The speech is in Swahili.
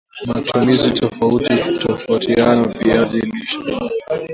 Matumizi tofauti tofautiya viazi lishe